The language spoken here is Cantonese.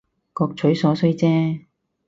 各取所需姐